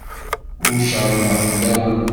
Ur cerrḍeɣ fell-awent.